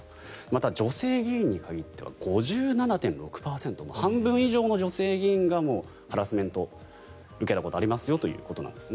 また、女性議員に限っては５７．６％半数以上の女性議員がハラスメントを受けたことがありますよということなんです。